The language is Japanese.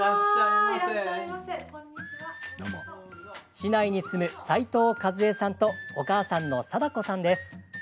市内に住む斉藤和枝さんとお母さんの貞子さんです。